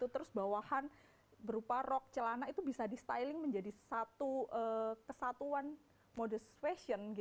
terus bawahan berupa rok celana itu bisa distyling menjadi satu kesatuan modus fashion